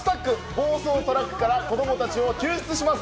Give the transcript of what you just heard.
暴走トラックから子供たちを救出します。